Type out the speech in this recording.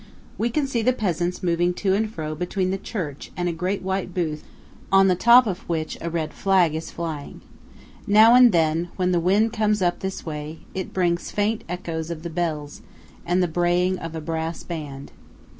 We can see the peasants moving to and fro between the church and a great white booth on the top of which a red flag is flying. Now and then, when the wind comes up this way, it brings faint echoes of the bells, and of the braying of a brass band.